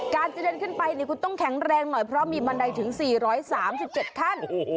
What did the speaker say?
จะเดินขึ้นไปคุณต้องแข็งแรงหน่อยเพราะมีบันไดถึง๔๓๗ขั้น